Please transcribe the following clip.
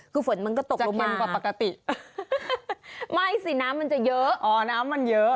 คือฝนมันก็ตกลงมันกว่าปกติไม่สิน้ำมันจะเยอะอ๋อน้ำมันเยอะ